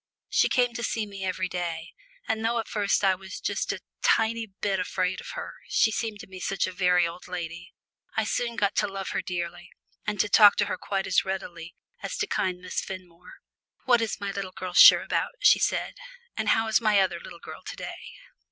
She came to see me every day, and though at first I was just a tiny bit afraid of her she seemed to me such a very old lady I soon got to love her dearly, and to talk to her quite as readily as to kind Miss Fenmore. "What is my little girl sure about?" she said. "And how is my other little girl to day?